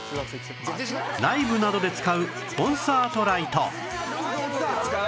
ライブなどで使うコンサートライト